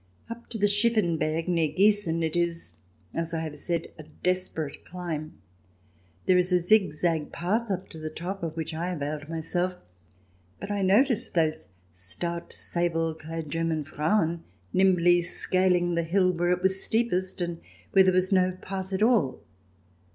Up to the Schiffenberg, near Giessen, it is, as I have said, a desperate climb. There is a zig zag path up to the top, of which I availed myself, but I noticed those stout sable clad German Frauen nimbly scaling the hill where it was steepest, and where there was no path at all.